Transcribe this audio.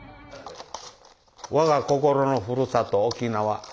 我が心のふるさと沖縄。